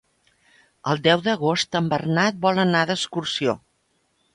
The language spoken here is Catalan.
El deu d'agost en Bernat vol anar d'excursió.